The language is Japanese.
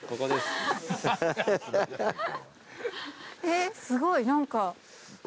えっすごい何か。